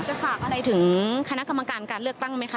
ฝากอะไรถึงคณะกรรมการการเลือกตั้งไหมคะ